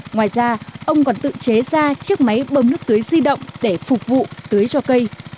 ngoài ra ông còn tự chế ra chiếc máy bơm nước tưới di động để phục vụ tưới cho cây